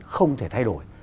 không thể thay đổi